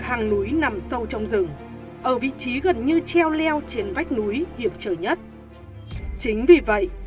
hàng núi nằm sâu trong rừng ở vị trí gần như treo leo trên vách núi hiểm trở nhất chính vì vậy